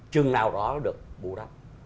chừng nào đó nó được bú đắp